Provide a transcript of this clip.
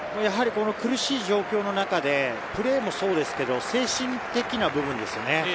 苦しい状況の中でプレーもそうですが精神的な部分ですよね。